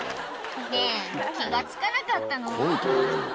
ねえ、気がつかなかったの？